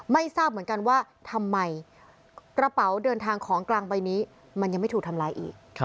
ไม่ทราบเหมือนกันว่าทำไมกระเป๋าเดินทางของกลางใบนี้มันยังไม่ถูกทำลายอีก